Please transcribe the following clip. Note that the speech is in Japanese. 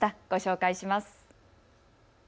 ご紹介します。